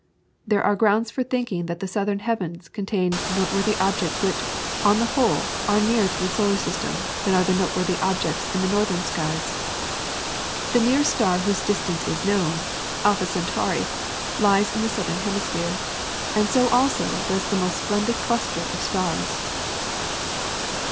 There are grounds for thinking that the southern heavens contain noteworthy objects which, on the whole, are nearer to the solar system than are the noteworthy objects in the northern skies. The nearest star whose distance is known, Alpha Centauri, lies in the southern hemisphere, and so also does the most splendid cluster of stars.